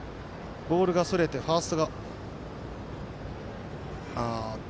ボールがそれてファーストが。